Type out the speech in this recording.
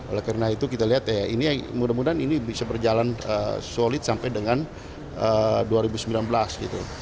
oleh karena itu kita lihat ya ini mudah mudahan ini bisa berjalan solid sampai dengan dua ribu sembilan belas gitu